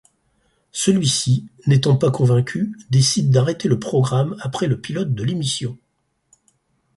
Celui-ci, n'étant pas convaincu, décide d'arrêter le programme après le pilote de l'émission.